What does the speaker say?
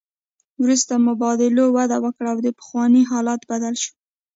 وروسته مبادلو وده وکړه او دا پخوانی حالت بدل شو